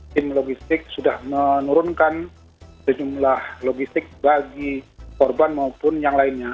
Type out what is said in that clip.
tim logistik sudah menurunkan sejumlah logistik bagi korban maupun yang lainnya